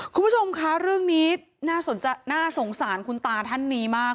คุณผู้ชมคะเรื่องนี้น่าสงสารคุณตาท่านนี้มาก